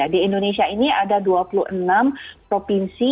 di indonesia ini ada dua puluh enam provinsi